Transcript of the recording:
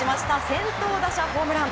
先頭打者ホームラン！